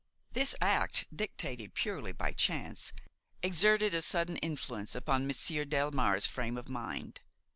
This act, dictated purely by chance, exerted a sudden influence upon Monsieur Delmare's frame of mind.